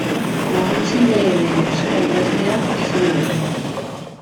Laguntzaile eder euskal-idazleak izan ditugu.